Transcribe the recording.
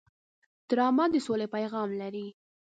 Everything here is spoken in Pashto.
ډرامه د سولې پیغام لري